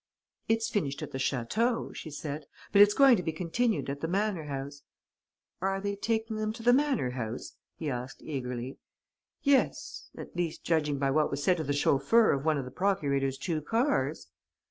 "It's finished at the château," she said, "but it's going to be continued at the manor house." "Are they taking them to the manor house?" he asked eagerly. "Yes ... at least, judging by what was said to the chauffeur of one of the procurator's two cars."